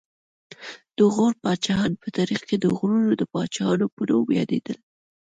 د غور پاچاهان په تاریخ کې د غرونو د پاچاهانو په نوم یادېدل